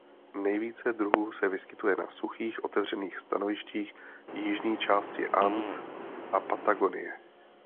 Nejvíce druhů se vyskytuje na suchých otevřených stanovištích jižní části And a Patagonie.